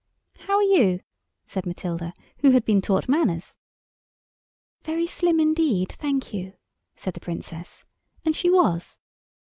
"How are you?" said Matilda, who had been taught manners. "Very slim indeed, thank you," said the Princess. And she was.